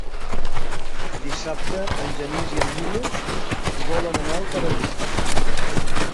Dissabte en Genís i en Milos volen anar al Perelló.